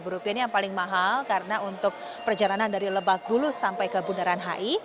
rp empat belas ini yang paling mahal karena untuk perjalanan dari lebakbulu sampai ke bundaran hai